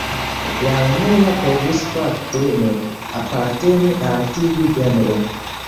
La unua povus fakte ne aparteni al tiu genro.